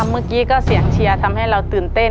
เมื่อกี้ก็เสียงเชียร์ทำให้เราตื่นเต้น